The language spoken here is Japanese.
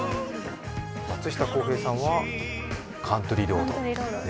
松下洸平さんは「カントリー・ロード」。